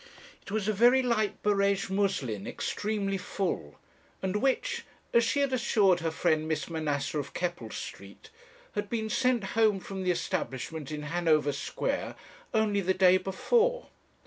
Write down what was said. It was a very light barege muslin, extremely full; and which, as she had assured her friend, Miss Manasseh, of Keppel Street, had been sent home from the establishment in Hanover Square only the day before.